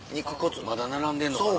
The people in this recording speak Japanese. まだ並んでんのかな。